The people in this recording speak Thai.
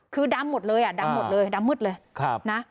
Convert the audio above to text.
คือดำหมดเลยอ่ะดำหมดเลยดำมืดเลยนะ